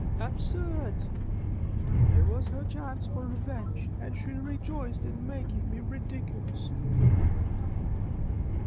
"Absurd! It was her chance for revenge, and she rejoiced in making me ridiculous."